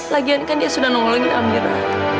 lagian kan dia sudah nolongi amira